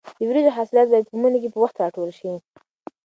د وریژو حاصلات باید په مني کې په وخت راټول شي.